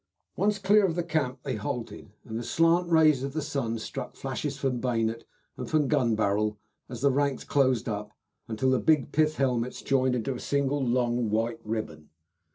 Once clear of the camp they halted, and the slant rays of the sun struck flashes from bayonet and from gun barrel as the ranks closed up until the big pith helmets joined into a single long white ribbon.